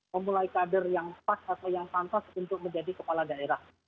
memulai kader yang pas atau yang pantas untuk menjadi kepala daerah